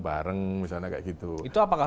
bareng misalnya kayak gitu itu apakah